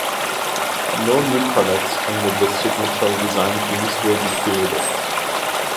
No new products under the Sigmatel design teams will be created.